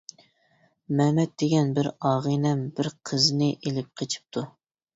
مەمەت دېگەن بىر ئاغىنەم بىر قىزنى ئېلىپ قېچىپتۇ.